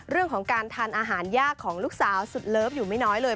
เรื่องของการทานอาหารยากของลูกสาวสุดเลิฟอยู่ไม่น้อยเลย